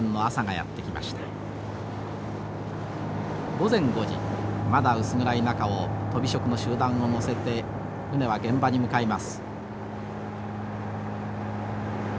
午前５時まだ薄暗い中をとび職の集団を乗せて船は現場に向かいます。